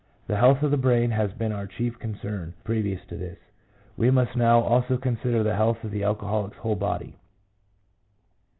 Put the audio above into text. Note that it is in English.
The health of the brain has been our chief concern previous to this ; we must now also consider the health of the alcoholic's whole body.